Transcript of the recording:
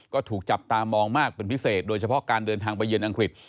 ก็ถูกจับตามองมากเป็นพิเศษโดยเฉพาะการเดินทางไปเยือนอังกฤษ